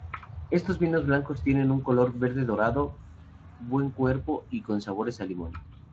Estos vinos blancos tienen un color verde-dorado, buen cuerpo y con sabores a limón.